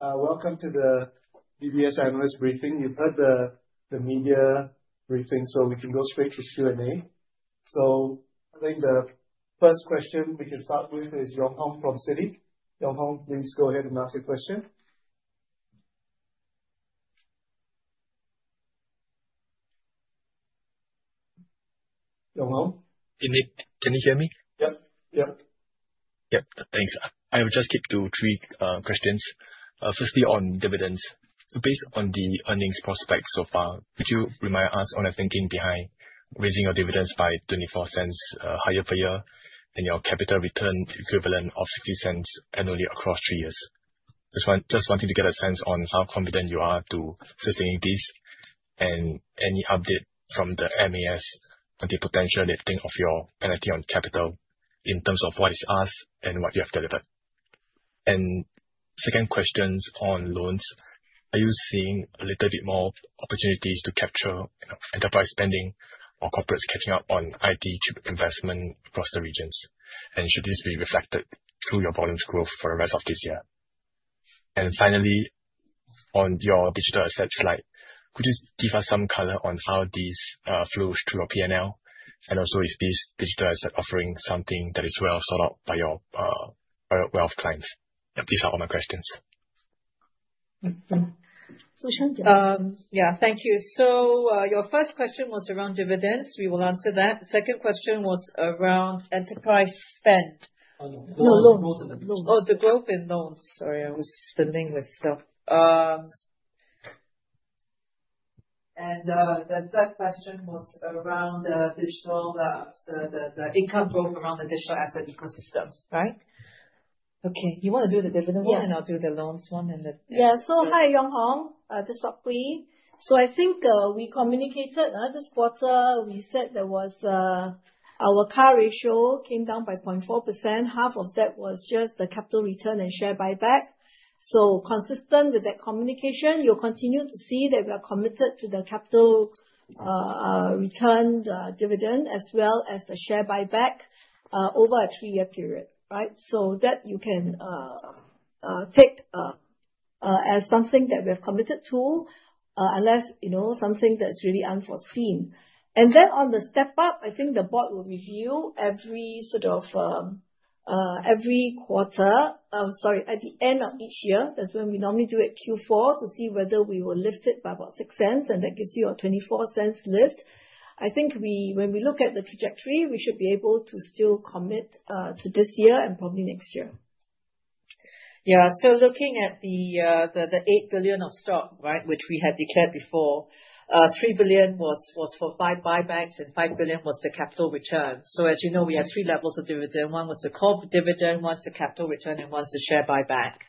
Welcome to the DBS analyst briefing. You've heard the media briefing, so we can go straight to Q&A. I think the first question we can start with is Yong Hong from Citi. Yong Hong, please go ahead and ask your question. Yong Hong, can you hear me? Thanks. I would just take two or three questions. Firstly, on dividends. Based on the earnings prospects so far, could you remind us on the thinking behind raising your dividends by 0.24 higher per year than your capital return equivalent of 0.60 annually across three years? I just wanted to get a sense on how confident you are to sustain these, and any update from the MAS on the potential lifting of your penalty on capital in terms of what is asked and what you have delivered. Second question on loans. Are you seeing a little bit more opportunities to capture enterprise spending or corporates catching up on IT to investment across the regions? Should this be reflected through your volume growth for the rest of this year? Finally, on your digital assets slide, could you give us some color on how these flow through your P&L? Also, is this digital asset offering something that is well thought out by your wealth plans? These are all my questions. Thank you. Your first question was around dividends. We will answer that. The second question was around enterprise spend. No, loans. Oh, the growth in loans. Sorry, I was spinning myself. The third question was around the digital growth around the digital asset ecosystem, right? Okay. You want to do the dividend one and I'll do the loans one and the... Hi, Yong Hong. This is Sok Hui. I think we communicated this quarter. We said our CAR ratio came down by 0.4%. Half of that was just the capital return and share buyback. Consistent with that communication, you'll continue to see that we are committed to the capital return, the dividend, as well as the share buyback over a three-year period, right? You can take that as something that we have committed to unless you know something that's really unforeseen. On the step up, I think the board will review at the end of each year. That's when we normally do it, Q4, to see whether we will lift it by about 0.06. That gives you a 0.24 lift. I think when we look at the trajectory, we should be able to still commit to this year and probably next year. Yeah. Looking at the 8 billion of stock, which we have declared before, 3 billion was for share buybacks and 5 billion was the capital return. As you know, we have three levels of dividend. One was the corporate dividend, one's the capital return, and one's the share buyback.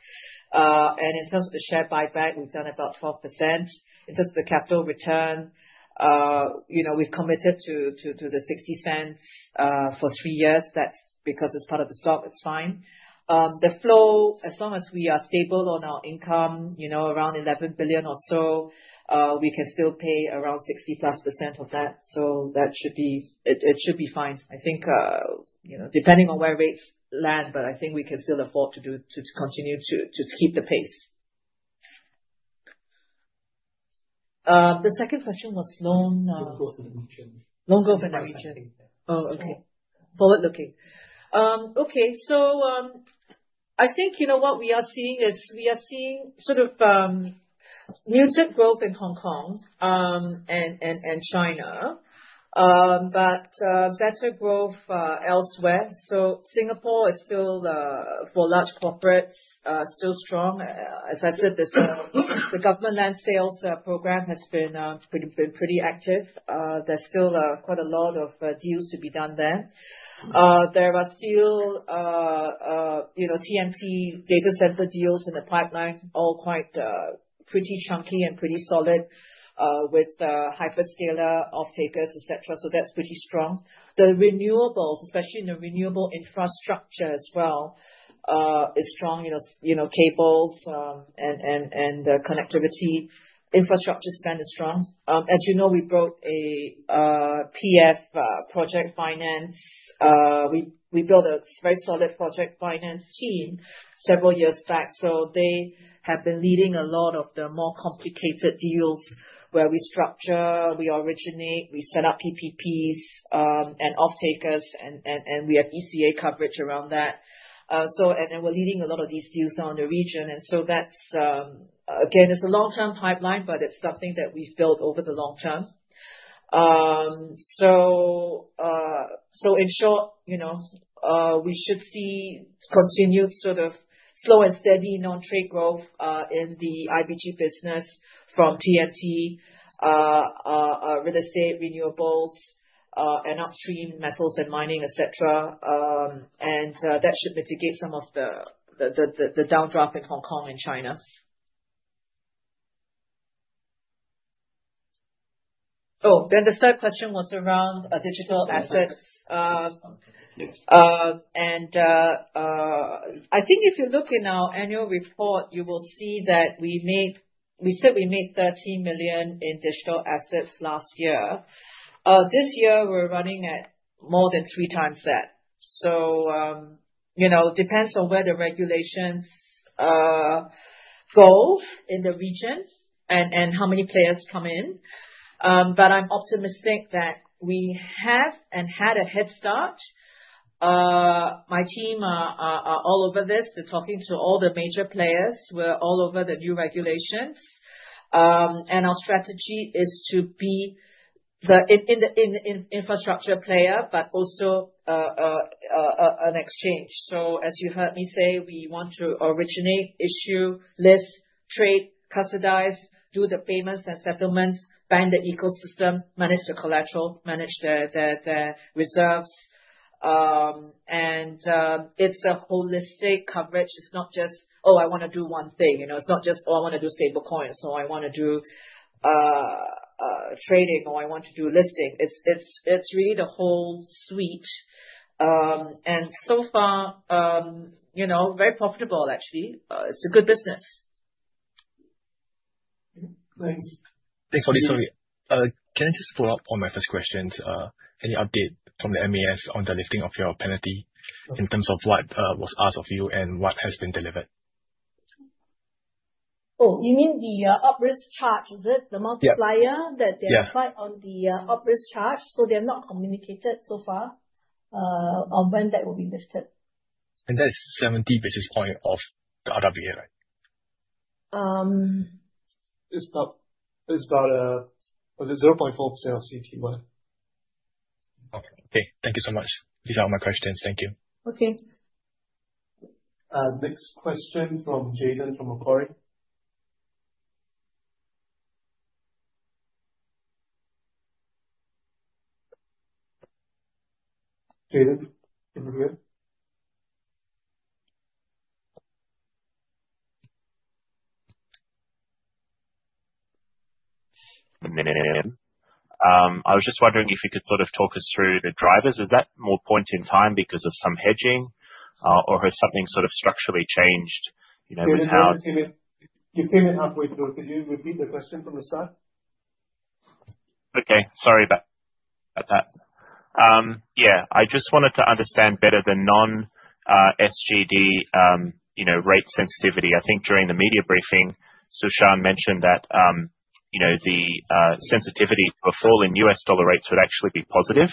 In terms of the share buyback, we've done about 4%. In terms of the capital return, you know we've committed to do the 0.60 for three years. That's because it's part of the stock. It's fine. The flow, as long as we are stable on our income, around 11 billion or so, we can still pay around 60+% of that. That should be fine. I think, depending on where rates land, but I think we can still afford to continue to keep the pace. The second question was loan. Loan growth is in the region. Loan growth in the region. Forward-looking. I think, you know what we are seeing is we are seeing sort of muted growth in Hong Kong and China, but better growth elsewhere. Singapore is still, for large corporates, still strong. As I said, the government land sales program has been pretty active. There's still quite a lot of deals to be done there. There are still TMC data center deals in the pipeline, all quite pretty chunky and pretty solid with hyperscaler off-takers, etc. That's pretty strong. The renewables, especially in the renewable infrastructure as well, is strong. You know, cables and connectivity infrastructure spend is strong. As you know, we brought a project finance team. We built a very solid project finance team several years back. They have been leading a lot of the more complicated deals where we structure, we originate, we set up PPPs and off-takers, and we have ECA coverage around that. We're leading a lot of these deals now in the region. It's a long-term pipeline, but it's something that we've built over the long term. In short, you know we should see continued sort of slow and steady non-trade growth in the IBG business from TFT, real estate, renewables, and upstream metals and mining, etc. That should mitigate some of the downdraft in Hong Kong and China. The third question was around digital assets. I think if you look in our annual report, you will see that we said we made 13 million in digital assets last year. This year, we're running at more than three times that. It depends on where the regulations go in the region and how many players come in. I'm optimistic that we have and had a head start. My team are all over this. They're talking to all the major players. We're all over the new regulations. Our strategy is to be the infrastructure player, but also an exchange. As you heard me say, we want to originate, issue, list, trade, custodize, do the payments and settlements, bank the ecosystem, manage the collateral, manage the reserves. It's a holistic coverage. It's not just, "Oh, I want to do one thing." You know it's not just, "Oh, I want to do stablecoins," or, "I want to do trading," or, "I want to do listing." It's really the whole suite. So far, you know very profitable, actually. It's a good business. Thanks. Can I just follow up on my first question? Any update from the MAS on the listing of your penalty in terms of what was asked of you and what has been delivered? Oh, you mean the operational risk capital penalty, is it the multiplier that they applied on the operational risk capital penalty? They're not communicated so far on when that will be lifted. That is 70 basis points of the other BA, right? It's about 0.4% of CET1, but. Okay. Thank you so much. These are all my questions. Thank you. Okay. Next question from Jayden from Macquarie. Jayden, can you hear? I was just wondering if you could sort of talk us through the drivers. Is that more point in time because of some hedging, or has something sort of structurally changed? Could you repeat the question from the start? Okay. Sorry about that. I just wanted to understand better the non-SGD rate sensitivity. I think during the media briefing, Su Shan mentioned that the sensitivity to a fall in U.S. dollar rates would actually be positive.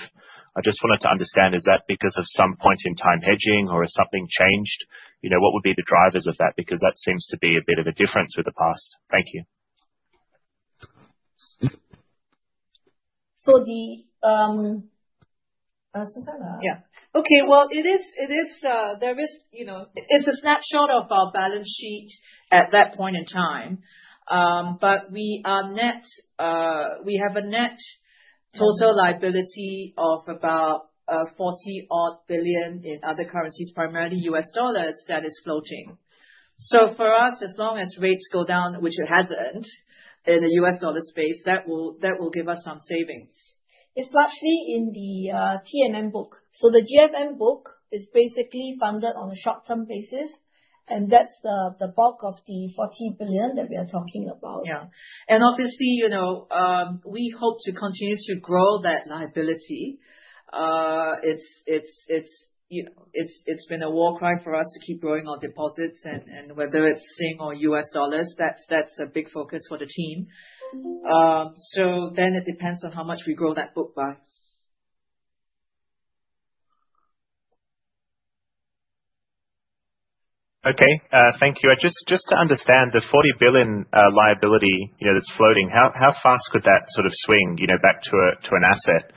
I just wanted to understand, is that because of some point in time hedging, or has something changed? What would be the drivers of that? That seems to be a bit of a difference with the past. Thank you. So the... Okay. It is a snapshot of our balance sheet at that point in time. We have a net total liability of about 40 billion in other currencies, primarily U.S. dollars, that is floating. For us, as long as rates go down, which they haven't in the U.S. dollar space, that will give us some savings. It's largely in the TNM book. The GFN book is basically funded on a short-term basis, and that's the bulk of the 40 billion that we are talking about. Yeah, obviously, you know, we hope to continue to grow that liability. It's been a war cry for us to keep growing our deposits, and whether it's SGD or U.S. dollars, that's a big focus for the team. It depends on how much we grow that book by. Okay. Thank you. Just to understand the 40 billion liability that's floating, how fast could that sort of swing back to an asset?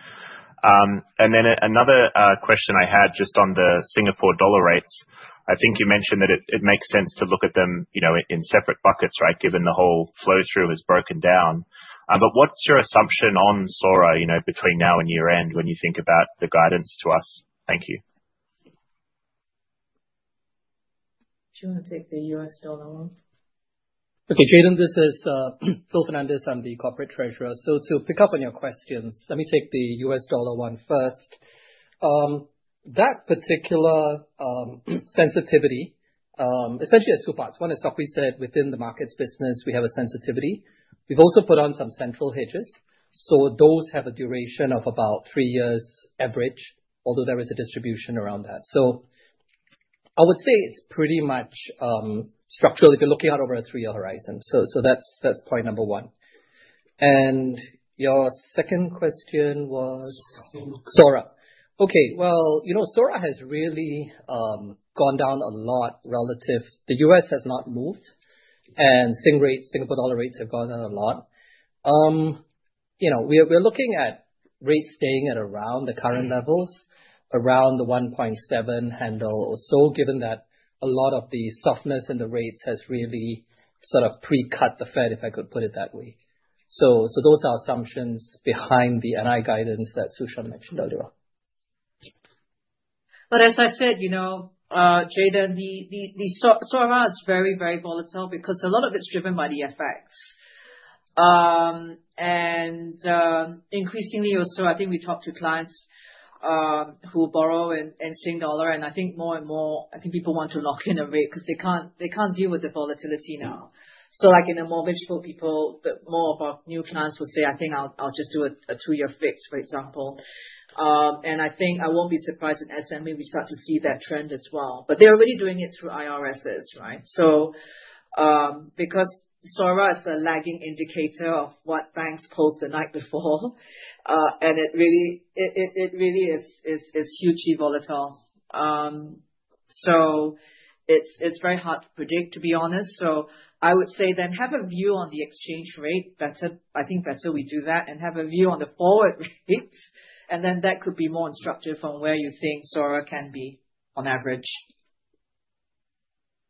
Another question I had just on the Singapore dollar rates. I think you mentioned that it makes sense to look at them in separate buckets, right, given the whole flow-through is broken down. What's your assumption on SORA between now and year-end when you think about the guidance to us? Thank you. Do you want to take the U.S. dollar one? Okay. Jayden, this is Philip Fernandez. I'm the Corporate Treasurer. To pick up on your questions, let me take the U.S. dollar one first. That particular sensitivity, essentially, it's two parts. One is, as we said, within the markets business, we have a sensitivity. We've also put on some central hedges. Those have a duration of about three years average, although there is a distribution around that. I would say it's pretty much structural if you're looking at it over a three-year horizon. That's point number one. Your second question was SORA. You know SORA has really gone down a lot relative to the U.S. has not moved. Singapore dollar rates have gone down a lot. We're looking at rates staying at around the current levels, around the 1.7 handle or so, given that a lot of the softness in the rates has really sort of precut the Fed, if I could put it that way. Those are assumptions behind the NII guidance that Su Shan mentioned earlier. As I said, you know, Jayden, the SORA is very, very volatile because a lot of it's driven by the FX. Increasingly, also, I think we talk to clients who borrow in Singapore dollar. I think more and more people want to lock in a rate because they can't deal with the volatility now. Like in a mortgage pool, more of our new clients will say, "I think I'll just do a two-year fix," for example. I won't be surprised if SMEs start to see that trend as well. They're already doing it through IRSes, right? SORA is a lagging indicator of what banks posted before, and it really is hugely volatile. It's very hard to predict, to be honest. I would say then have a view on the exchange rate. I think better we do that and have a view on the forward rates. That could be more instructive on where you think SORA can be on average.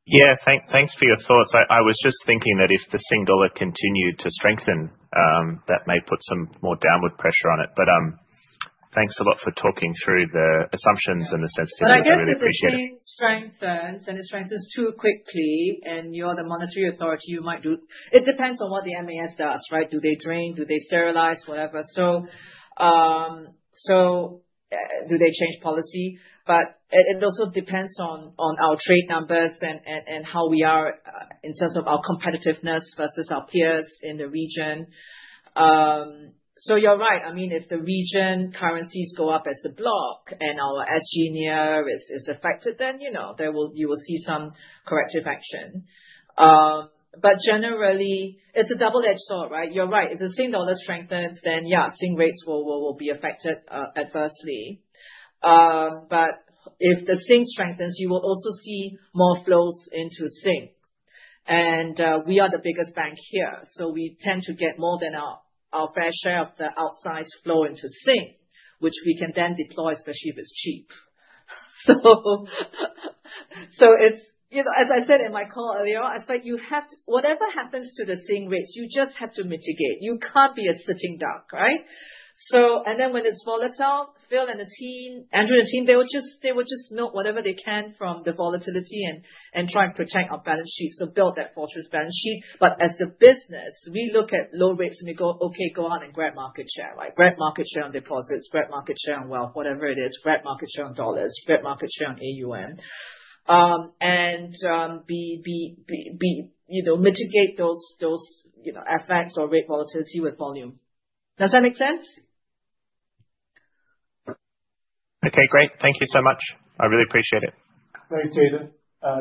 Yeah, thanks for your thoughts. I was just thinking that if the Sing dollar continued to strengthen, that may put some more downward pressure on it. Thanks a lot for talking through the assumptions and the sensitivities. I guess if the change strengthens and it strengthens too quickly and you are the Monetary Authority, it depends on what the MAS does, right? Do they drain? Do they sterilize, whatever? Do they change policy? It also depends on our trade numbers and how we are in terms of our competitiveness versus our peers in the region. You're right. If the region currencies go up as a block and our SGD is affected, then you will see some corrective action. Generally, it's a double-edged sword, right? You're right. If the Sing dollar strengthens, then yeah, Sing rates will be affected adversely. If the Sing strengthens, you will also see more flows into Sing. We are the biggest bank here, so we tend to get more than our fair share of the outsized flow into Sing, which we can then deploy, especially if it's cheap. As I said in my call earlier, you have to, whatever happens to the Sing rates, you just have to mitigate. You can't be a sitting duck, right? When it's volatile, Bill and the team, Andrew and the team, they will just milk whatever they can from the volatility and try and protect our balance sheet. Build that fortress balance sheet. As the business, we look at low rates and we go, "Okay, go out and grab market share, right? Grab market share on deposits, grab market share on wealth, whatever it is, grab market share on dollars, grab market share on AUM, and mitigate those effects or rate volatility with volume." Does that make sense? Okay. Great. Thank you so much. I really appreciate it. Thanks, Jayden.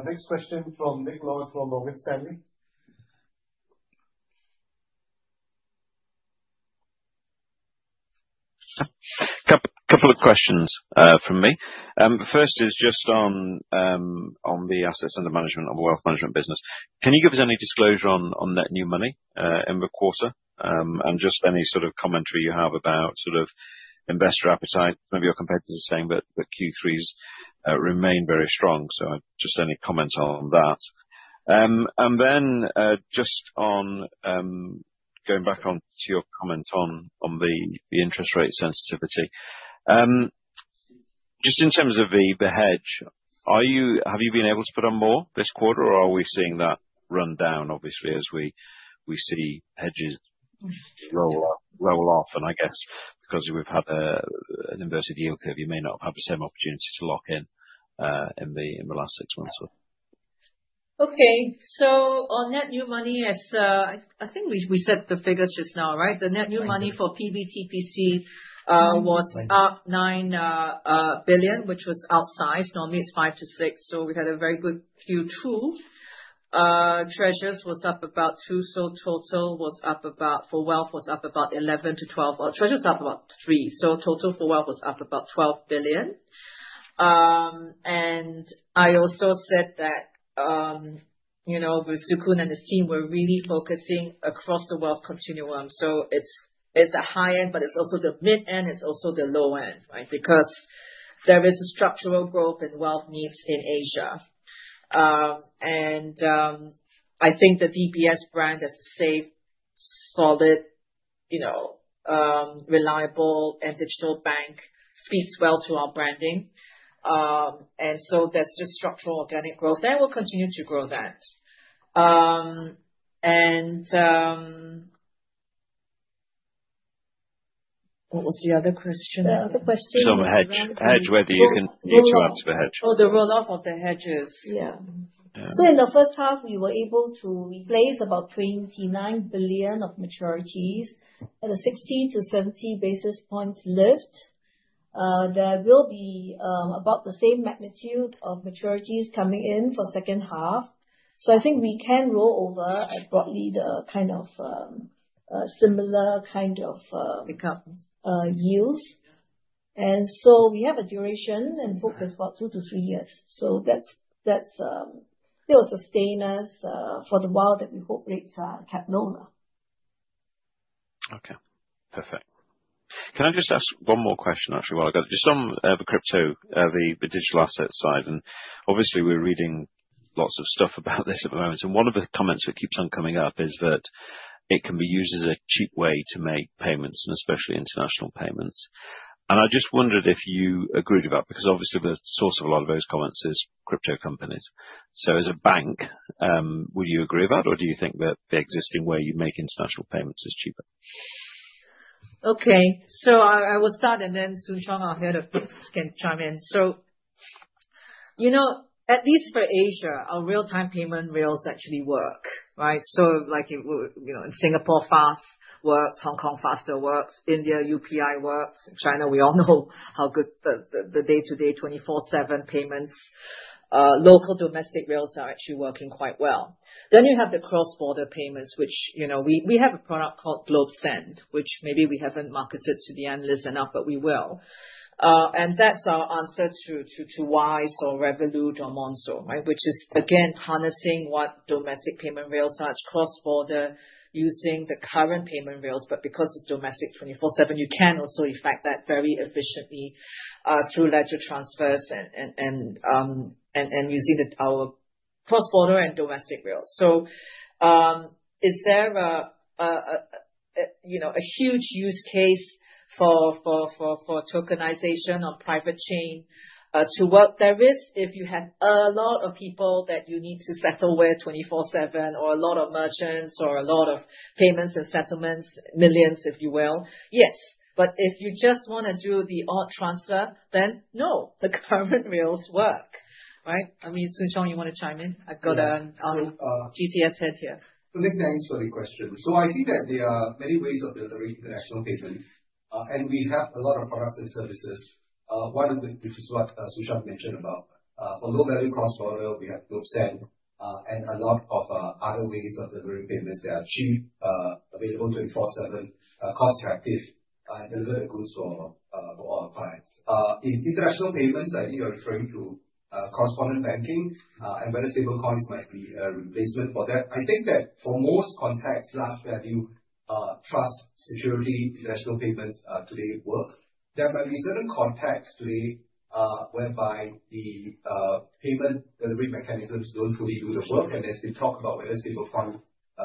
Next question from Nick Lord from Morgan Stanley. A couple of questions from me. The first is just on the assets and the management of the wealth management business. Can you give us any disclosure on net new money in the quarter, and just any sort of commentary you have about sort of investor appetite? Maybe your competitors are saying that the Q3s remain very strong. Just any comments on that. Then just on going back on to your comment on the interest rate sensitivity, just in terms of the hedge, have you been able to put on more this quarter, or are we seeing that run down, obviously, as we see hedges roll off? I guess because we've had an inverted yield curve, you may not have had the same opportunity to lock in in the last six months though. Okay. On net new money, I think we set the figures just now, right? The net new money for PBTPC was about 9 billion, which was outsized. Normally, it's 5 billion-6 billion. We had a very good Q2. Treasures was up about 2 billion. Total was up about, for wealth, was up about 11 billion-12 billion. Treasures up about 3 billion. Total for wealth was up about 12 billion. I also said that Sok Hui and the team were really focusing across the wealth continuum. It's the high end, but it's also the mid end. It's also the low end, right? There is a structural growth in wealth needs in Asia. I think the DBS brand has stayed solid, you know, reliable, and digital bank speaks well to our branding. There is this structural organic growth. They will continue to grow that. What was the other question? Other question? Just on the hedge, whether you continue to ask for hedge. Oh, the rollout of the hedges, yeah. In the first half, we were able to replace about 29 billion of maturities at a 60 basis points-70 basis points lift. There will be about the same magnitude of maturities coming in for the second half. I think we can roll over broadly the similar kind of yields. We have a duration and hope is about two to three years. That will sustain us for the while that we hope it's kept lower. Okay. Perfect. Can I just ask one more question after we're all going to do some of the Evecrypto, the digital asset side? Obviously, we're reading lots of stuff about this at the moment. One of the comments that keeps on coming up is that it can be used as a cheap way to make payments, especially international payments. I just wondered if you agreed with that because obviously, the source of a lot of those comments is crypto companies. As a bank, would you agree with that, or do you think that the existing way you make international payments is cheaper? Okay. I will start, and then Soon Chong, our Head of DBS Taiwan, can chime in. At least for Asia, our real-time payment rails actually work, right? In Singapore, FAST works. In Hong Kong, FAST still works. In India, UPI works. In China, we all know how good the day-to-day 24/7 payments, local domestic rails are actually working quite well. You have the cross-border payments, which we have a product called GlobeSend, which maybe we haven't marketed to the analysts enough, but we will. That's our answer to Wise or Revolut or Monzo, right? Which is, again, harnessing what domestic payment rails are at cross-border, using the current payment rails. Because it's domestic 24/7, you can also effect that very efficiently through ledger transfers and using our cross-border and domestic rails. Is there a huge use case for tokenization on private chain to work? There is if you have a lot of people that you need to settle with 24/7 or a lot of merchants or a lot of payments and settlements, millions, if you will. Yes. If you just want to do the odd transfer, then no, the government rails work, right? I mean, Soon Chong, you want to chime in? I've got a TTS Head here. Let me answer the question. I think that there are many ways of building international payment. We have a lot of products and services, one of which is what Su Shan mentioned about. For low-value cross-border, we have GlobeSend and a lot of other ways of delivering payments. They are cheap, available 24/7, cost-effective, and deliver the goods for our clients. In international payments, I think you're referring to correspondent banking and very stablecoins might be a basement for that. I think that for most contexts, large value, trust, security, international payments today work. There might be certain contexts today whereby the payment delivery mechanisms don't really do the work. As we talk about where stablecoin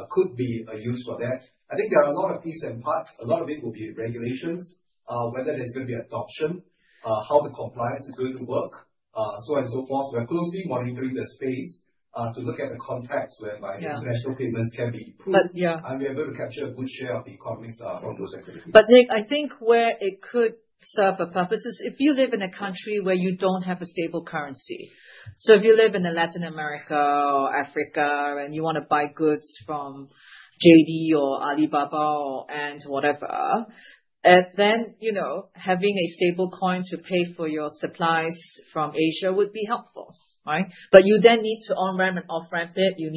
could be a use for that, I think there are a lot of pieces and parts. A lot of it will be regulations, whether there's going to be adoption, how the compliance is going to work, so on and so forth. We're closely monitoring the space to look at the contracts where my national payments can be improved. I'm going to capture a good share of the economics of those activities. Nick, I think where it could serve a purpose is if you live in a country where you don't have a stable currency. If you live in Latin America or Africa and you want to buy goods from JD or Alibaba and whatever, then having a stablecoin to pay for your supplies from Asia would be helpful, right? You then need to on-ramp and off-ramp it. You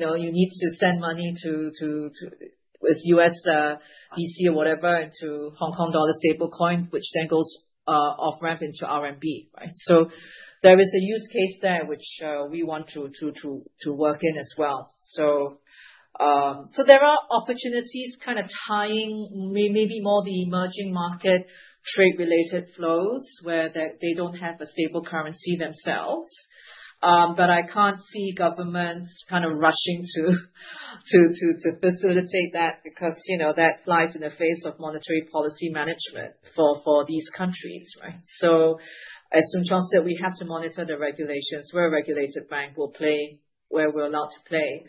need to send money to USDC or whatever into Hong Kong dollar stablecoin, which then goes off-ramp into RMB, right? There is a use case there which we want to work in as well. There are opportunities kind of tying maybe more the emerging market trade-related flows where they don't have a stable currency themselves. I can't see governments rushing to facilitate that because that flies in the face of monetary policy management for these countries, right? As Soon Chong said, we have to monitor the regulations. We're a regulated bank. We'll play where we're allowed to play.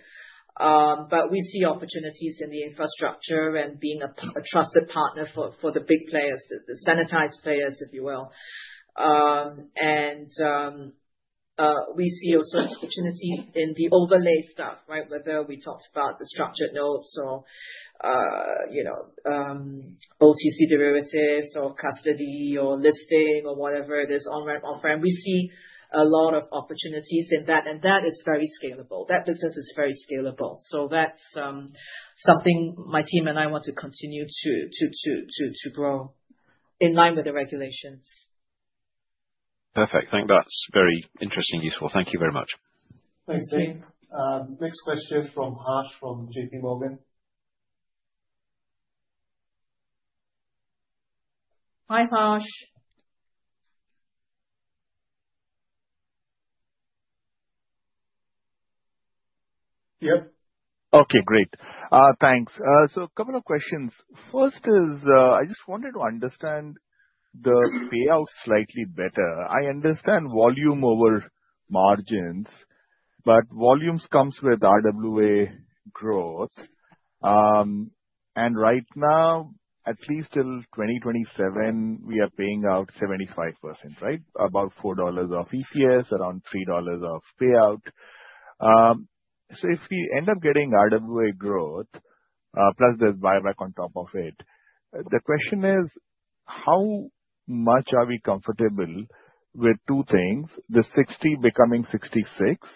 We see opportunities in the infrastructure and being a trusted partner for the big players, the sanitized players, if you will. We see also opportunity in the overlay stuff, right? Whether we talked about the structured notes or OTC derivatives or custody or listing or whatever it is, on-ramp, off-ramp. We see a lot of opportunities in that. That is very scalable. That business is very scalable. That's something my team and I want to continue to grow in line with the regulations. Perfect. I think that's very interesting and useful. Thank you very much. Thanks, Jayden. Next question is from Harsh from JPMorgan. Hi, Harsh. Okay, great. Thanks. A couple of questions. First, I just wanted to understand the payout slightly better. I understand volume over margins, but volumes come with RWA growth. Right now, at least till 2027, we are paying out 75%, right? About 4 dollars of EPS, around 3 dollars of payout. If we end up getting RWA growth, plus there's buyback on top of it, the question is, how much are we comfortable with two things? The 60 becoming 66,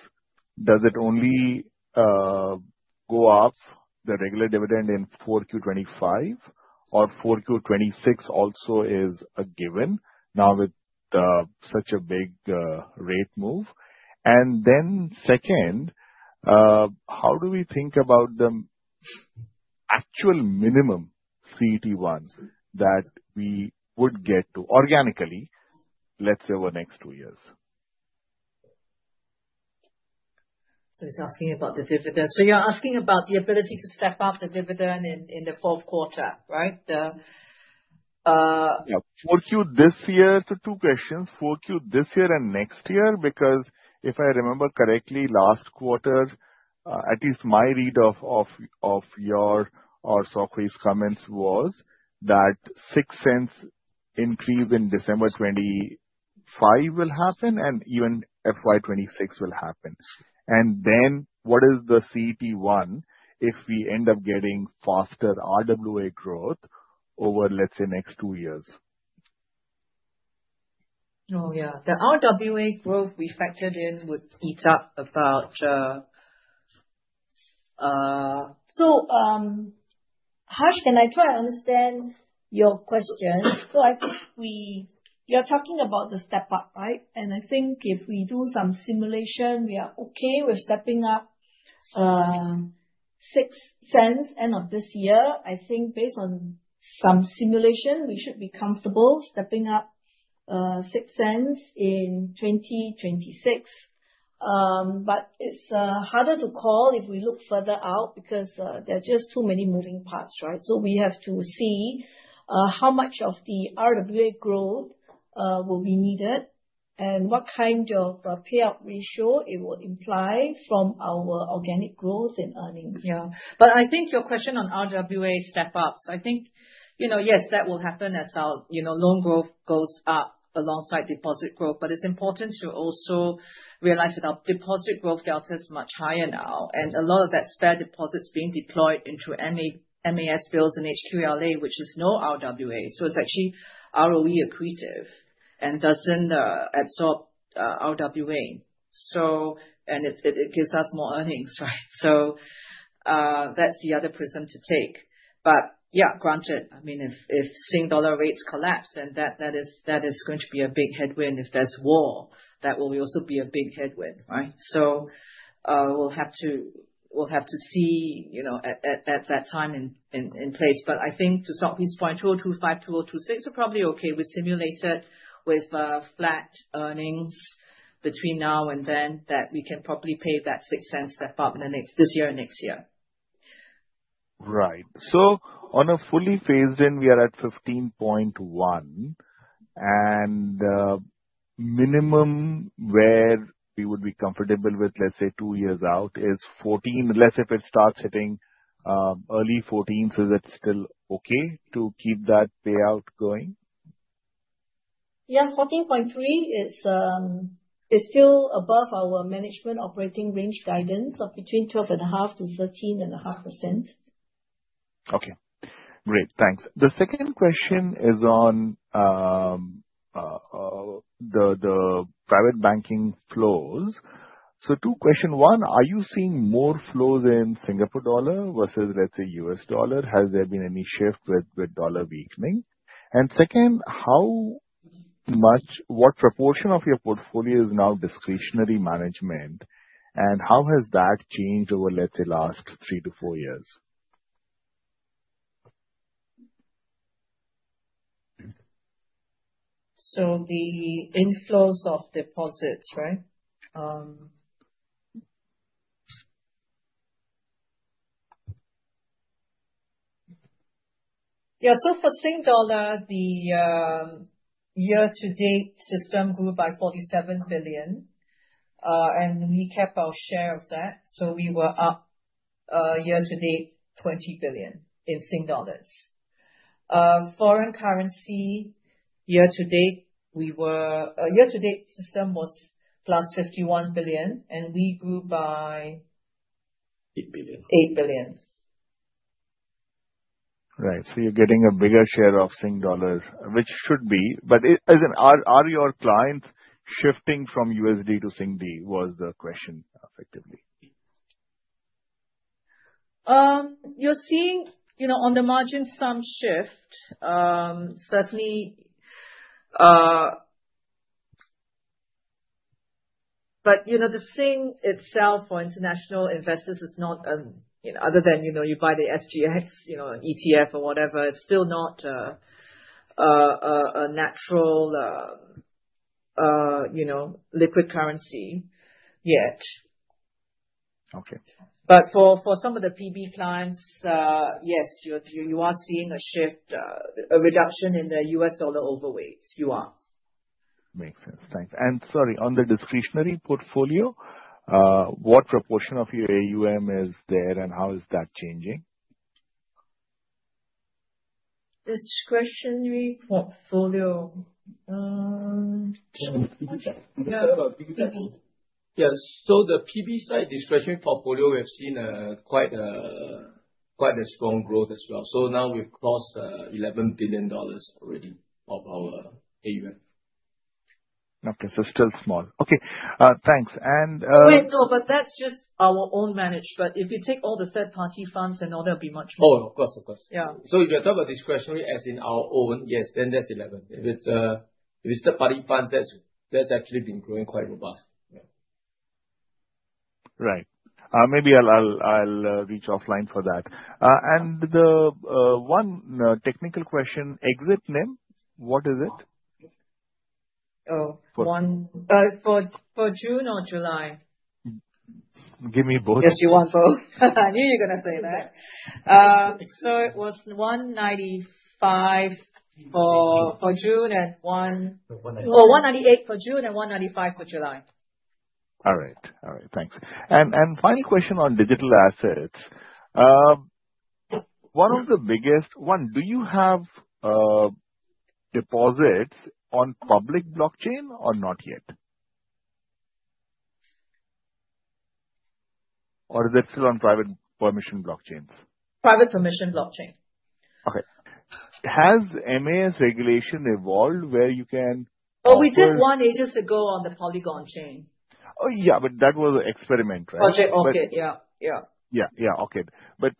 does it only go up the regular dividend in 4Q 2025 or is 4Q 2026 also a given now with such a big rate move? Second, how do we think about the actual minimum CET1 that we would get to organically, let's say, over the next two years? You're asking about the ability to step up the dividend in the fourth quarter, right? Yeah. For this year, two questions. For this year and next year, because if I remember correctly, last quarter, at least my read of your or Sok Hui's comments was that 0.06 increase in December 2025 will happen and even FY 2026 will happen. What is the CET1 if we end up getting faster RWA growth over, let's say, next two years? Oh, yeah. The RWA growth we factored in would eat up about... Can I try to understand your question? I think we are talking about the step up, right? I think if we do some simulation, we are okay with stepping up 0.06 end of this year. Based on some simulation, we should be comfortable stepping up 0.06 in 2026. It's harder to call if we look further out because there's just too many moving parts, right? We have to see how much of the RWA growth will be needed and what kind of payout ratio it will imply from our organic growth and earnings. I think your question on RWA step ups, yes, that will happen as our loan growth goes up alongside deposit growth. It's important to also realize that our deposit growth delta is much higher now. A lot of that spare deposit is being deployed into MAS bills and HQLA, which is no RWA. It's actually ROE accretive and doesn't absorb RWA, and it gives us more earnings, right? That's the other prism to take. Granted, if Sing dollar rates collapse, that is going to be a big headwind. If there's war, that will also be a big headwind, right? We'll have to see at that time in place. I think to Sok Hui's point, 4.25-4.26 are probably okay. We simulated with flat earnings between now and then that we can probably pay that 0.06 step up this year and next year. Right. On a fully phased in, we are at 15.1%. The minimum where we would be comfortable with, let's say, two years out is 14%. Unless it starts hitting early 14%, that's still okay to keep that payout going? Yeah. 14.3% is still above our management operating range guidance of between 12.5%-13.5%. Okay. Great. Thanks. The second question is on the private banking flows. Two questions. One, are you seeing more flows in Singapore dollar versus, let's say, U.S. dollar? Has there been any shift with dollar weakening? Second, how much, what proportion of your portfolio is now discretionary management, and how has that changed over, let's say, the last three to four years? The inflows of deposits, right? Yeah. For Sing dollar, the year-to-date system grew by 47 billion, and we kept our share of that. We were up year-to-date SGD 20 billion. Foreign currency, year-to-date, the system was +51 billion, and we grew by 8 billion. Right. You're getting a bigger share of Sing dollars, which should be. Is it, are your clients shifting from USD to Sing dollars was the question effectively? You're seeing, you know, on the margins, some shift, certainly. The Sing itself for international investors is not, you know, other than, you know, you buy the SGX, you know, an ETF or whatever, it's still not a natural, you know, liquid currency yet. For some of the PB clients, yes, you are seeing a shift, a reduction in the U.S. dollar overweights. You are. Makes sense. Thanks. Sorry, on the discretionary portfolio, what proportion of your AUM is there and how is that changing? Discretionary portfolio. Yeah. The PB side discretionary portfolio, we've seen quite a strong growth as well. We've crossed 11 billion dollars already of our AUM. Okay. Still small. Okay. Thanks. No, that's just our own managed. If you take all the third-party funds and all, there'll be much more. Of course. If you're talking about discretionary as in our own, yes, then that's 11. If it's a third-party fund, that's actually been growing quite robust. Maybe I'll reach offline for that. The one technical question, exit limit, what is it? For June or July? Give me both. Yes, you want both? I knew you were going to say that. It was 195 for June and 1. So 195. 198 for June and 195 for July. All right. Thanks. Final question on digital assets. One of the biggest ones, do you have deposits on public blockchain or not yet? Or is it still on private permission blockchains? Private permission blockchain. Okay. Has MAS regulation evolved where you can? We did want agents to go on the Polygon chain. Yeah, but that was an experiment, right? Project Orchid. Yeah, yeah. Okay.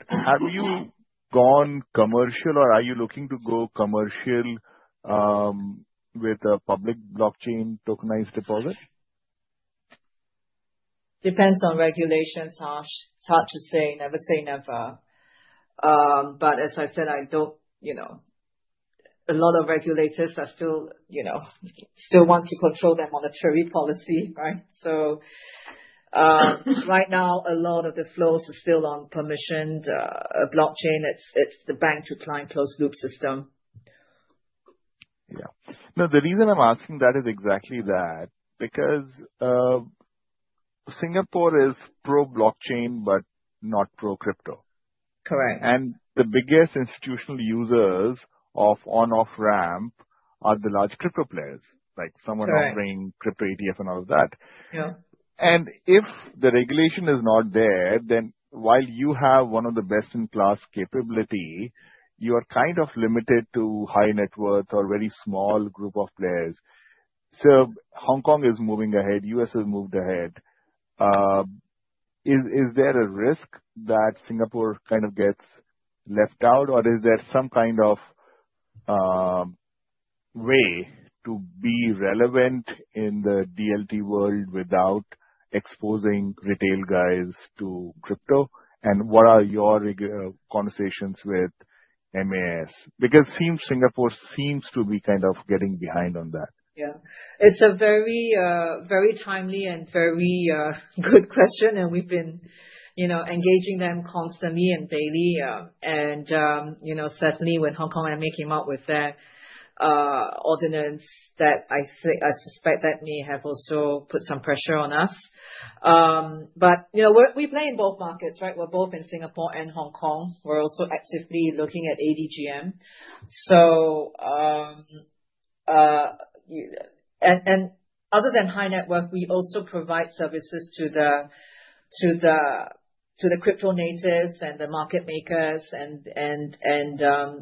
Have you gone commercial or are you looking to go commercial with a public blockchain tokenized deposit? Depends on regulations. It's hard to say. Never say never. As I said, a lot of regulators still want to control their monetary policy, right? Right now, a lot of the flows are still on permissioned blockchain. It's the bank-to-client closed-loop system. Yeah, no, the reason I'm asking that is exactly that because Singapore is pro-blockchain but not pro-crypto. Correct. The biggest institutional users of on-off ramp are the large crypto players, like someone offering crypto ETF and all of that. If the regulation is not there, then while you have one of the best-in-class capability, you are kind of limited to high net worth or a very small group of players. Hong Kong is moving ahead. The U.S. has moved ahead. Is there a risk that Singapore kind of gets left out, or is there some kind of way to be relevant in the DLT world without exposing retail guys to crypto? What are your conversations with MAS? Singapore seems to be kind of getting behind on that. Yeah. It's a very, very timely and very good question. We've been engaging them constantly and daily. Certainly, when Hong Kong MA came up with their ordinance, I suspect that may have also put some pressure on us. We play in both markets, right? We're both in Singapore and Hong Kong. We're also actively looking at ADGM. Other than high net worth, we also provide services to the crypto natives and the market makers and the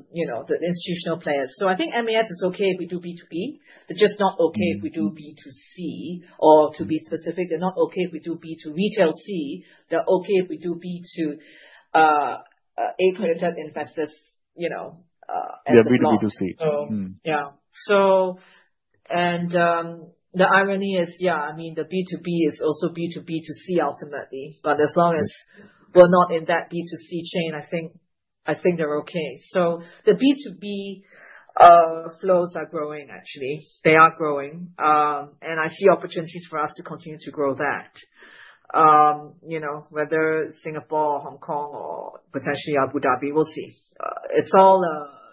institutional players. I think MAS is okay if we do B2B. They're just not okay if we do B2C. To be specific, they're not okay if we do B2B2C. They're okay if we do B2A credentialed investors as well. Yeah, B2B2C. Yeah, the irony is, the B2B is also B2B2C ultimately. As long as we're not in that B2C chain, I think they're okay. The B2B flows are growing, actually. They are growing, and I see opportunities for us to continue to grow that. Whether Singapore or Hong Kong or potentially Abu Dhabi, we'll see. It's all,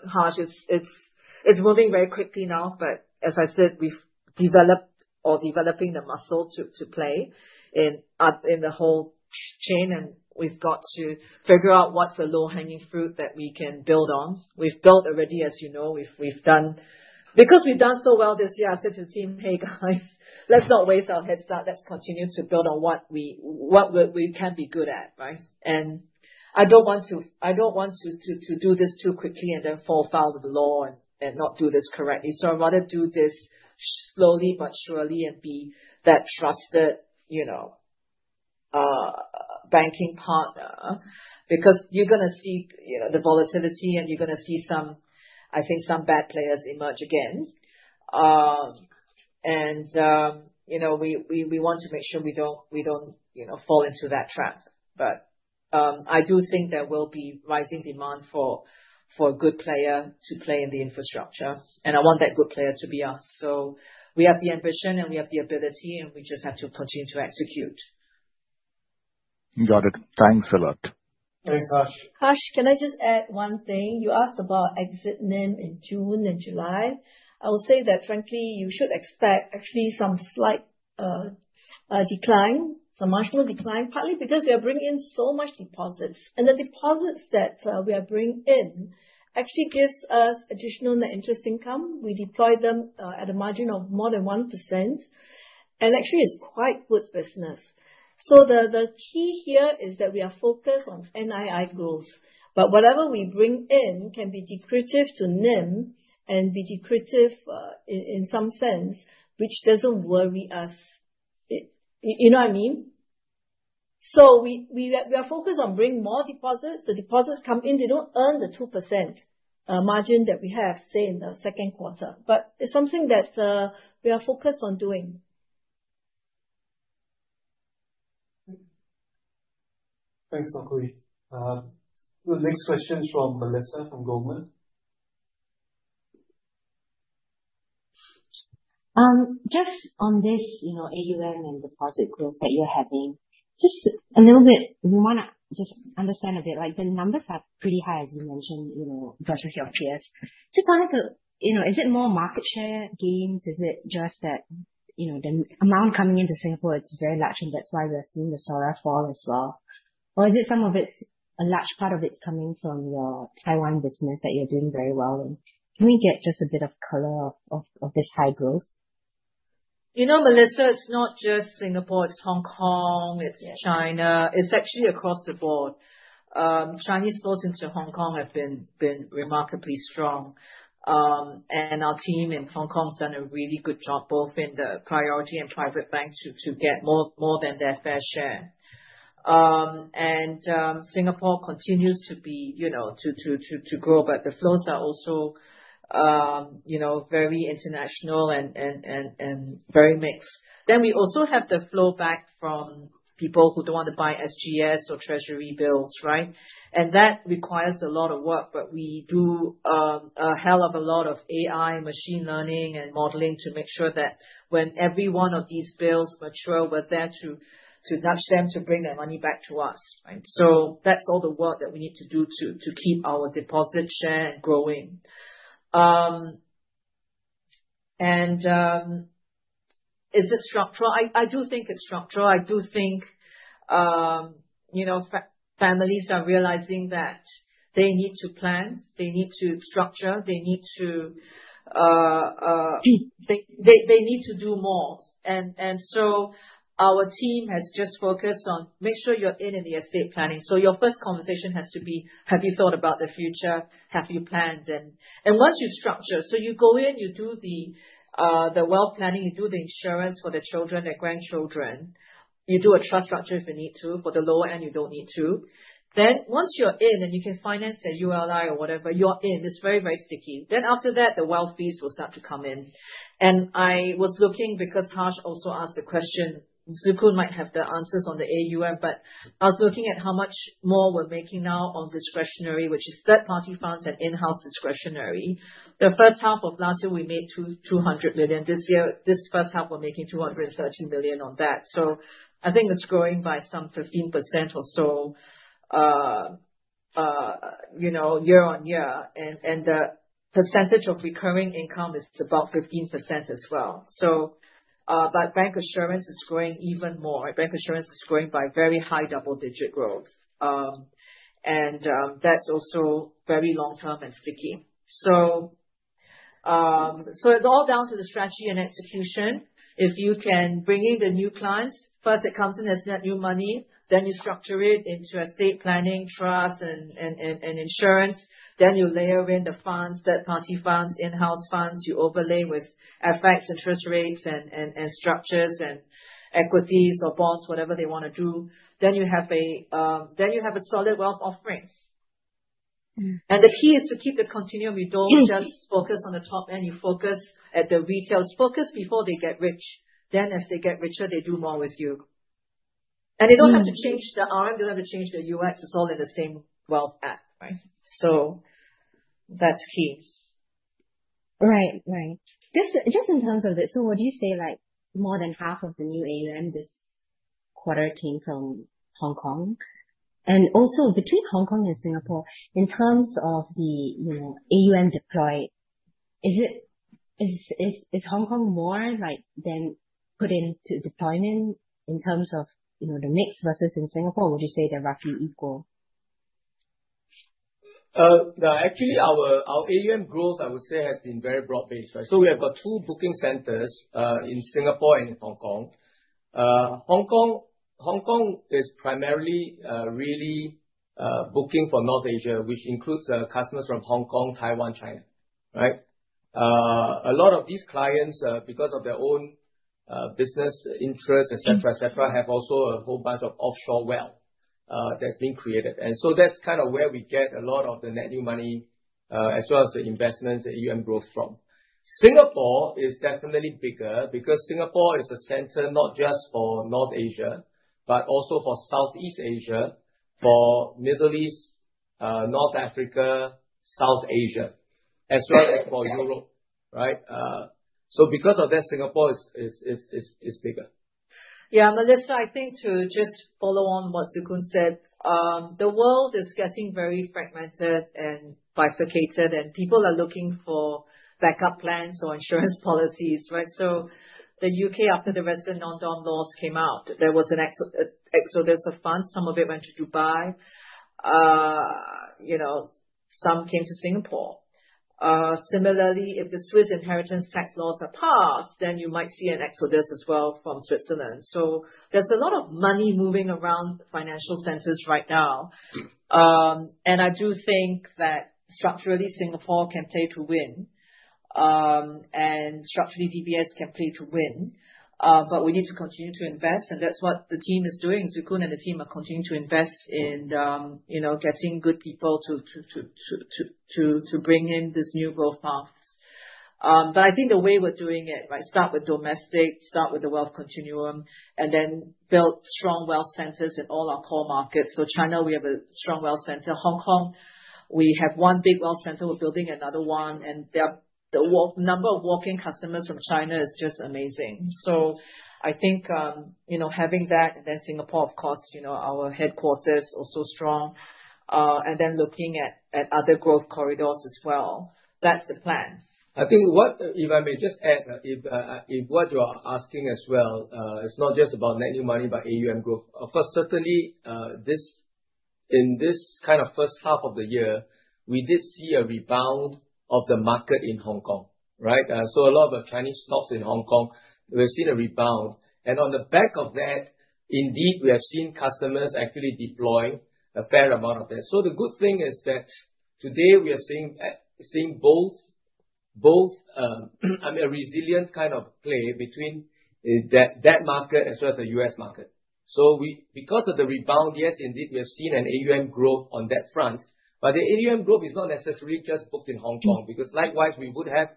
Harsh, it's moving very quickly now. As I said, we've developed or are developing the muscle to play in the whole chain. We've got to figure out what's the low-hanging fruit that we can build on. We've built already, as you know. We've done, because we've done so well this year, I said to the team, "Hey guys, let's not waste our head start. Let's continue to build on what we can be good at," right? I don't want to do this too quickly and then fall foul of the law and not do this correctly. I'd rather do this slowly but surely and be that trusted banking partner because you're going to see the volatility and you're going to see some, I think, some bad players emerge again. We want to make sure we don't fall into that trap. I do think there will be rising demand for a good player to play in the infrastructure. I want that good player to be us. We have the ambition and we have the ability and we just have to continue to execute. Got it. Thanks a lot. Thanks, Harsh. Harsh, can I just add one thing? You asked about exit NIM in June and July. I will say that, frankly, you should expect actually some slight decline, some marginal decline, partly because we are bringing in so much deposits. The deposits that we are bringing in actually give us additional net interest income. We deploy them at a margin of more than 1%. It's quite good business. The key here is that we are focused on NII growth. Whatever we bring in can be dilutive to NIM and be dilutive in some sense, which doesn't worry us. You know what I mean? We are focused on bringing more deposits. The deposits come in. They don't earn the 2% margin that we have, say, in the second quarter. It's something that we are focused on doing. Thanks, Sok Hui. The next question is from Melissa from Goldman. Just on this AUM and deposit growth that you're having, we want to just understand a bit. The numbers are pretty high, as you mentioned, versus your peers. Is it more market share gains? Is it just that the amount coming into Singapore is very large and that's why we're seeing the SORA fall as well? Is a large part of it coming from your Taiwan business that you're doing very well? Can we get just a bit of color of this high growth? You know, Melissa, it's not just Singapore. It's Hong Kong. It's China. It's actually across the board. Chinese flows into Hong Kong have been remarkably strong. Our team in Hong Kong has done a really good job, both in the priority and private banks, to get more than their fair share. Singapore continues to be, you know, to grow. The flows are also, you know, very international and very mixed. We also have the flow back from people who don't want to buy SGS or Treasury bills, right? That requires a lot of work. We do a hell of a lot of AI, machine learning, and modeling to make sure that when every one of these bills mature, we're there to nudge them to bring their money back to us, right? That's all the work that we need to do to keep our deposit share and growing. Is it structural? I do think it's structural. I do think, you know, families are realizing that they need to plan. They need to structure. They need to do more. Our team has just focused on make sure you're in it, the estate planning. Your first conversation has to be, "Have you thought about the future? Have you planned?" Once you structure, so you go in, you do the wealth planning, you do the insurance for the children, the grandchildren, you do a trust structure if you need to. For the lower end, you don't need to. Once you're in and you can finance the ULI or whatever, you're in, it's very, very sticky. After that, the wealth fees will start to come in. I was looking because Harsh also asked a question. Tse Koon might have the answers on the AUM, but I was looking at how much more we're making now on discretionary, which is third-party funds and in-house discretionary. The first half of last year, we made 200 million. This year, this first half, we're making 213 million on that. I think it's growing by some 15% or so, you know, year on year. The percentage of recurring income is about 15% as well. Bank assurance is growing even more. Bank assurance is growing by very high double-digit growth. That's also very long-term and sticky. It's all down to the strategy and execution. If you can bring in the new clients, first, it comes in as net new money, then you structure it into estate planning, trust, and insurance. You layer in the funds, third-party funds, in-house funds. You overlay with FX, interest rates, and structures, and equities, or bonds, whatever they want to do. You have a solid wealth offering. The key is to keep the continuum. You don't just focus on the top end. You focus at the retail focus before they get rich. As they get richer, they do more with you. They don't have to change the RM. They don't have to change the UX. It's all in the same wealth pack, right? That's key. Right. Just in terms of this, would you say more than half of the new AUM this quarter came from Hong Kong? Also, between Hong Kong and Singapore, in terms of the AUM deployed, is Hong Kong more likely than Singapore in terms of the mix, or would you say they're roughly equal? No, actually, our AUM growth, I would say, has been very broad-based, right? We have got two booking centers in Singapore and in Hong Kong. Hong Kong is primarily really booking for North Asia, which includes customers from Hong Kong, Taiwan, China, right? A lot of these clients, because of their own business interest, etc., have also a whole bunch of offshore wealth that's been created. That's kind of where we get a lot of the net new money as well as the investments that AUM grows from. Singapore is definitely bigger because Singapore is a center not just for North Asia, but also for Southeast Asia, for Middle East, North Africa, South Asia, as well as for Europe, right? Because of that, Singapore is bigger. Yeah, Melissa, I think to just follow on what Tse Koon said, the world is getting very fragmented and bifurcated, and people are looking for backup plans or insurance policies, right? The U.K., after the Western non-dom laws came out, there was an exodus of funds. Some of it went to Dubai, some came to Singapore. Similarly, if the Swiss inheritance tax laws are passed, you might see an exodus as well from Switzerland. There's a lot of money moving around financial centers right now. I do think that structurally, Singapore can play to win, and structurally, DBS can play to win. We need to continue to invest, and that's what the team is doing. Tse Koon and the team are continuing to invest in getting good people to bring in this new growth path. I think the way we're doing it, start with domestic, start with the wealth continuum, and then build strong wealth centers in all our core markets. China, we have a strong wealth center. Hong Kong, we have one big wealth center, we're building another one. The number of walk-in customers from China is just amazing. I think having that, and then Singapore, of course, our headquarters are also strong, and then looking at other growth corridors as well. That's the plan. I think, if I may just add, if what you are asking as well, it's not just about net new money, but AUM growth. Of course, certainly, in this kind of first half of the year, we did see a rebound of the market in Hong Kong, right? A lot of Chinese stocks in Hong Kong, we've seen a rebound. On the back of that, indeed, we have seen customers actually deploying a fair amount of this. The good thing is that today we are seeing both, I mean, a resilience kind of play between that market as well as the U.S. market. Because of the rebound, yes, indeed, we have seen an AUM growth on that front. The AUM growth is not necessarily just booked in Hong Kong because likewise, we would have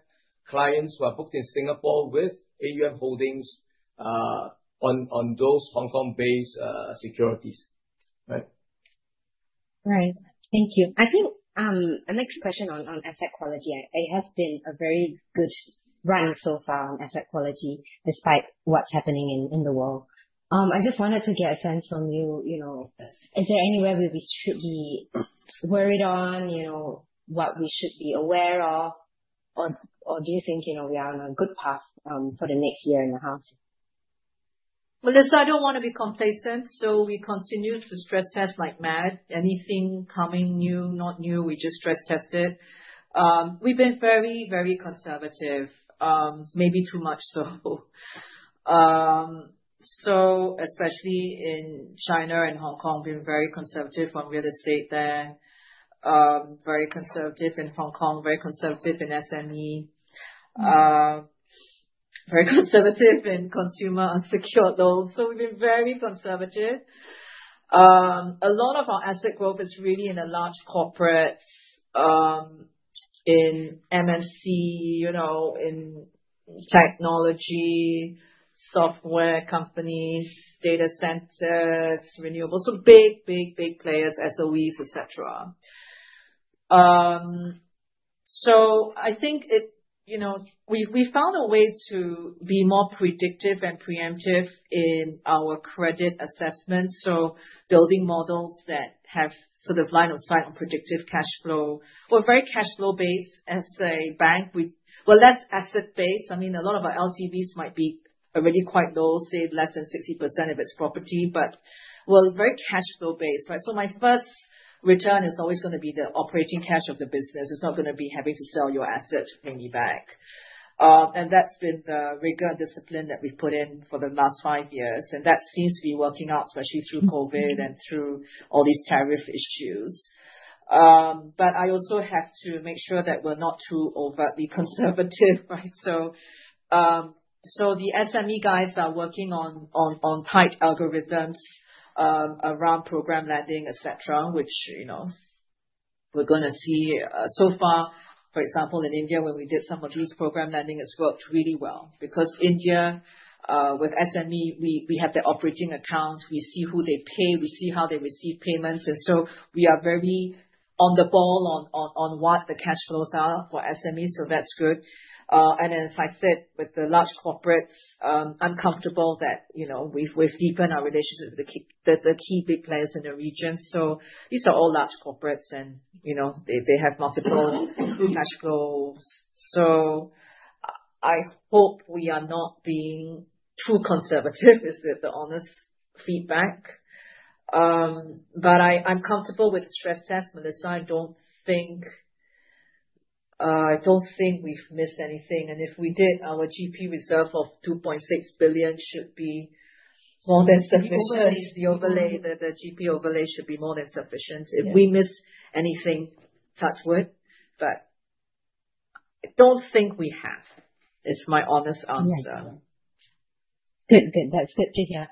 clients who are booked in Singapore with AUM holdings on those Hong Kong-based securities, right? Right. Thank you. I think the next question on asset quality, it has been a very good run so far on asset quality despite what's happening in the world. I just wanted to get a sense from you, is there anywhere we should be worried on what we should be aware of, or do you think we are on a good path for the next year and a half? Melissa, I don't want to be complacent. We continue to stress test like mad. Anything coming new, not new, we just stress test it. We've been very, very conservative, maybe too much so. Especially in China and Hong Kong, we've been very conservative on real estate there, very conservative in Hong Kong, very conservative in SME, very conservative in consumer unsecured loans. We've been very conservative. A lot of our asset growth is really in the large corporates, in MMC, in technology, software companies, data centers, renewables. Big, big, big players, SOEs, etc. I think we found a way to be more predictive and preemptive in our credit assessment. Building models that have sort of line of sight on predictive cash flow, we're very cash flow-based as a bank. We're less asset-based. A lot of our LTVs might be already quite low, say less than 60% if it's property, but we're very cash flow-based, right? My first return is always going to be the operating cash of the business. It's not going to be having to sell your asset to pay me back. That's been the rigor discipline that we put in for the last five years. That seems to be working out, especially through COVID and through all these tariff issues. I also have to make sure that we're not too overtly conservative, right? The SME guys are working on tight algorithms around program lending, etc., which we're going to see. For example, in India, when we did some of these program lending, it's worked really well because India, with SME, we have their operating accounts. We see who they pay. We see how they receive payments. We are very on the ball on what the cash flows are for SMEs. That's good. As I said, with the large corporates, I'm comfortable that we've deepened our relationship with the key big players in the region. These are all large corporates, and they have multiple cash flows. I hope we are not being too conservative. Is it the honest feedback? I'm comfortable with stress tests, Melissa. I don't think we've missed anything. If we did, our GP reserve of 2.6 billion should be more than sufficient. The GP overlay should be more than sufficient. If we miss anything, touch wood. I don't think we have. It's my honest answer. Yeah, that's good to hear.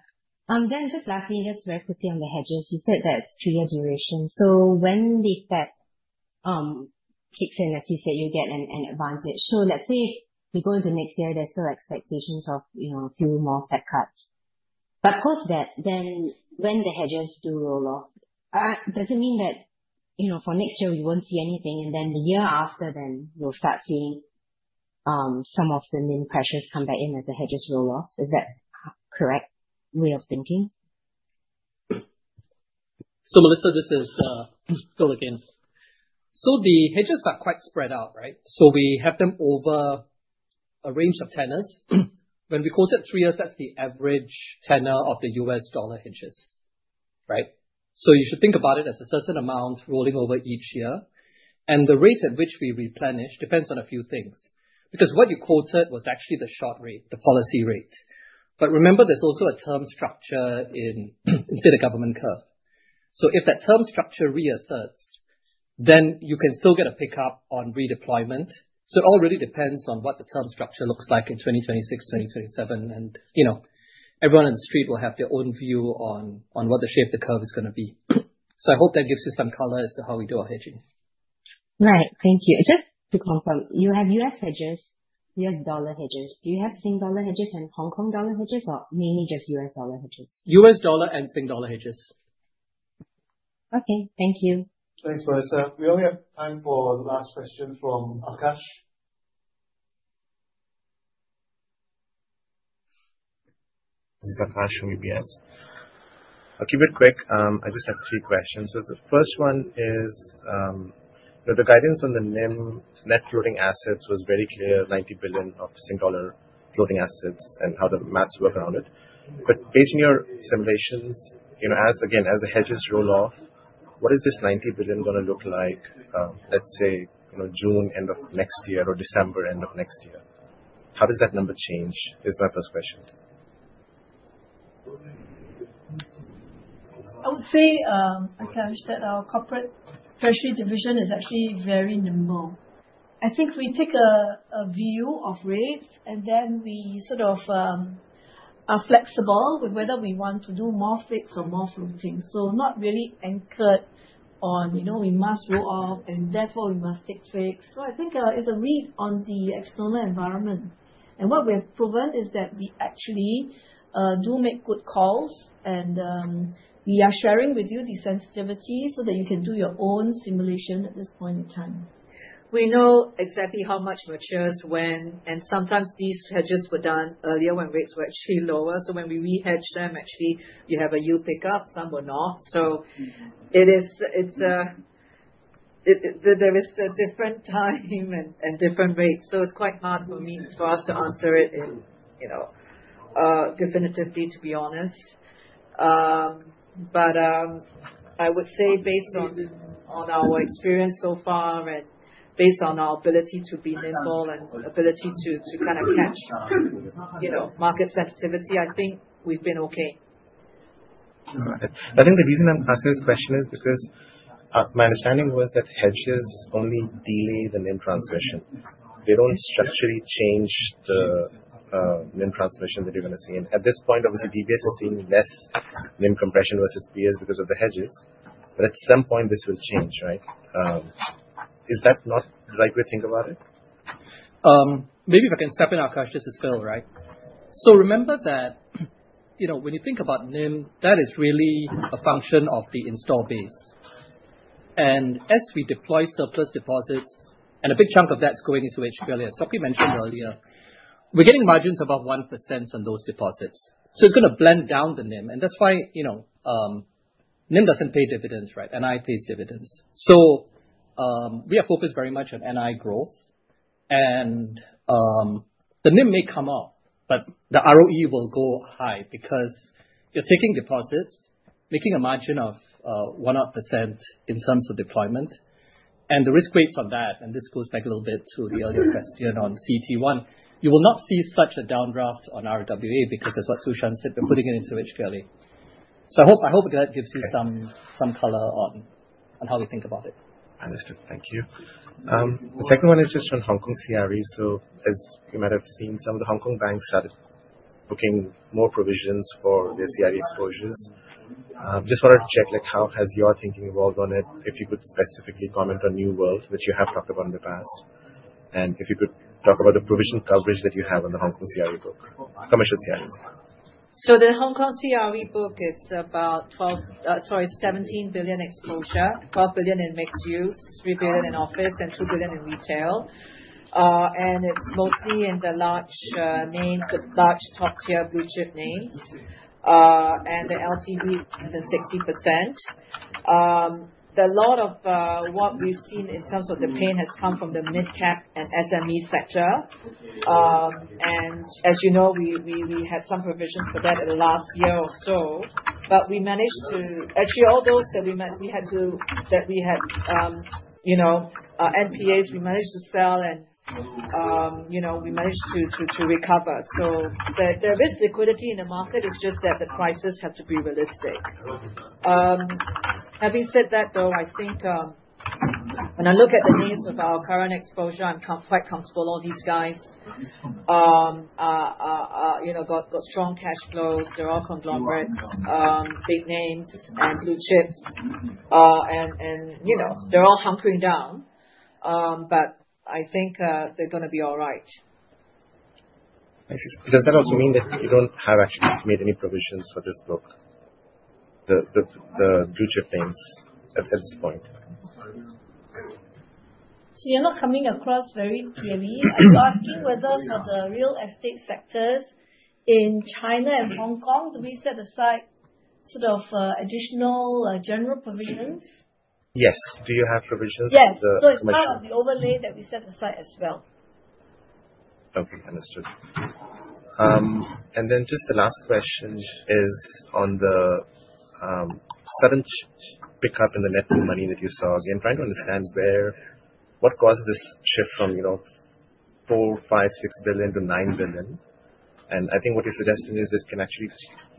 Just lastly, very quickly on the hedges, you said that it's two-year duration. When the Fed kicks in, as you said, you get an advantage. Let's say if we go into next year, there's still expectations of, you know, three more Fed cuts. Post-BEP, when the hedges do roll off, does it mean that, you know, for next year, we won't see anything? The year after, we'll start seeing some of the NIM pressures come back in as the hedges roll off. Is that a correct way of thinking? Melissa, this is Phil again. The hedges are quite spread out, right? We have them over a range of tenors. When we quoted three years, that's the average tenor of the U.S. dollar hedges, right? You should think about it as a certain amount rolling over each year. The rate at which we replenish depends on a few things. What you quoted was actually the short rate, the policy rate. Remember, there's also a term structure instead of government curve. If that term structure reasserts, then you can still get a pickup on redeployment. It all really depends on what the term structure looks like in 2026, 2027. Everyone on the street will have their own view on what the shape of the curve is going to be. I hope that gives you some color as to how we do our hedging. Right. Thank you. Just to confirm, you have U.S. dollar hedges. Do you have Singapore dollar hedges and Hong Kong dollar hedges, or mainly just U.S. dollar hedges? U.S. dollar and Sing dollar hedges. Okay, thank you. Thanks, Melissa. We only have time for the last question from Akash. Akash from DBS. I'll keep it quick. I just have three questions. The first one is, the guidance on the NIM net floating assets was very clear, 90 billion of floating assets and how the math works around it. Based on your simulations, as the hedges roll off, what is this 90 billion going to look like, let's say, June end of next year or December end of next year? How does that number change? That is my first question. I would say, Akash, that our Corporate Treasury division is actually very nimble. I think we take a view of rates and then we are flexible with whether we want to do more fixed or more floating. Not really anchored on, you know, we must roll off and therefore we must fix rates. I think it's a read on the external environment. What we've proven is that we actually do make good calls and we are sharing with you the sensitivity so that you can do your own simulation at this point in time. We know exactly how much matures when, and sometimes these hedges were done earlier when rates were actually lower. When we rehedge them, actually, you have a yield pickup, some or not. It is, there is a different time and different rates. It's quite hard for me and for us to answer it definitively, to be honest. I would say based on our experience so far and based on our ability to be nimble and ability to kind of catch, you know, market sensitivity, I think we've been okay. I think the reason I'm asking this question is because my understanding was that hedges only delay the NIM transmission. They don't structurally change the NIM transmission that you're going to see. At this point, obviously, DBS Group Holdings is seeing less NIM compression versus peers because of the hedges. At some point, this will change, right? Is that not the right way to think about it? Maybe we can step in, Akash. This is Phil, right? Remember that, you know, when you think about NIM, that is really a function of the install base. As we deploy surplus deposits, and a big chunk of that is going into HQLA, as Sok Hui mentioned earlier, we're getting margins above 1% on those deposits. It's going to blend down the NIM. That's why, you know, NIM doesn't pay dividends, right? NI pays dividends. We are focused very much on NI growth. The NIM may come up, but the ROE will go high because you're taking deposits, making a margin of 1% in terms of deployment. The risk rates on that, and this goes back a little bit to the earlier question on CET1, you will not see such a downdraft on RWA because that's what Su Shan said. They're putting it into HQLA. I hope that gives you some color on how to think about it. Understood. Thank you. The second one is just on Hong Kong commercial real estate. As you might have seen, some of the Hong Kong banks started booking more provisions for their commercial real estate exposures. I just wanted to check, how has your thinking evolved on it? If you could specifically comment on New World, which you have talked about in the past, and if you could talk about the provision coverage that you have on the Hong Kong commercial real estate book, commercial real estates. The Hong Kong commercial real estate book is about 17 billion exposure, 12 billion in mixed use, 3 billion in office, and 2 billion in retail. It is mostly in the large name, the large top-tier blue chip names. The LTV is 60%. A lot of what we've seen in terms of the pain has come from the mid-cap and SME sector. As you know, we had some provision for that in the last year or so. We managed to, actually, all those that we had, you know, NPAs, we managed to sell and, you know, we managed to recover. There is liquidity in the market. It's just that the prices have to be realistic. Having said that, though, I think when I look at the names of our current exposure, I'm quite comfortable. All these guys, you know, got strong cash flows. They're all conglomerate, big names and blue chips. They're all hunkering down. I think they're going to be all right. I see. Does that also mean that you don't actually have made any provisions for this book, the blue chip names at this point? You're not coming across very clearly. I was asking whether the real estate sectors in China and Hong Kong, do we set aside sort of additional general provisions? Yes, do you have provisions? Yes, it's part of the overlay that we set aside as well. Okay. Understood. Just the last question is on the current pickup in the net new money that you saw. Again, trying to understand what caused this shift from 4 billion, 5 billion, 6 billion to 9 billion. I think what you're suggesting is this can actually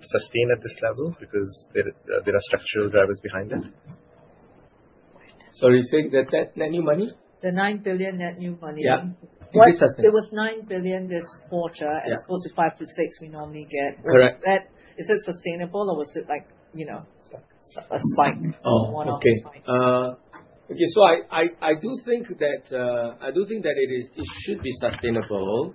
sustain at this level because there are structural drivers behind it. Sorry, you're saying that net new money? The 9 billion net new money. Yeah. It was 9 billion this quarter as opposed to 5 billion-6 billion we normally get. Correct. Is it sustainable or was it, you know, a spike? Okay. I do think that it should be sustainable.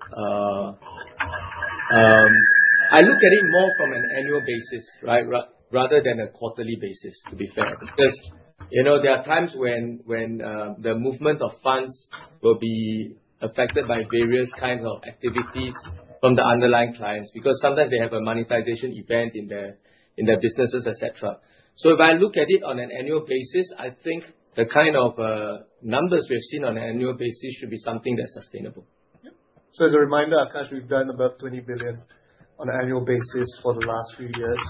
I look at it more from an annual basis, right, rather than a quarterly basis, to be fair. There are times when the movement of funds will be affected by various kinds of activities from the underlying clients because sometimes they have a monetization event in their businesses, etc. If I look at it on an annual basis, I think the kind of numbers we've seen on an annual basis should be something that's sustainable. I've kind of done above 20 billion on an annual basis for the last few years.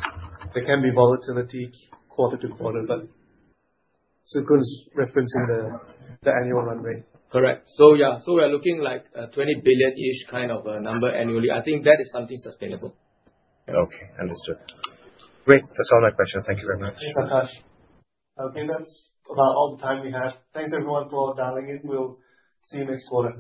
There can be volatility quarter to quarter, but Tse Koon's referencing the annual runway. Correct. We're looking like a 20 billion-ish kind of a number annually. I think that is something sustainable. Okay. Understood. Great. That's all my questions. Thank you very much. Thanks, Akash. Okay, that's about all the time we have. Thanks, everyone, for dialing in. We'll see you next quarter.